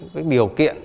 cái điều kiện